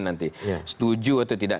nanti setuju atau tidak